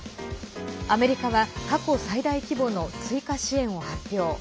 アメリカは過去最大規模の追加支援を発表。